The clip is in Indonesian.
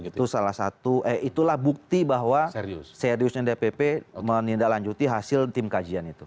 itu salah satu itulah bukti bahwa seriusnya dpp menindaklanjuti hasil tim kajian itu